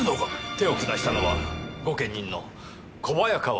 手を下したのは御家人の小早川秀長。